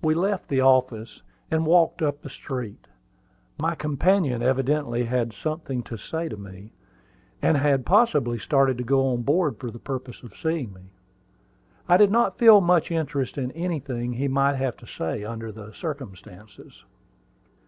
We left the office, and walked up the street. My companion evidently had something to say to me, and had possibly started to go on board for the purpose of seeing me. I did not feel much interest in anything he might have to say under the circumstances.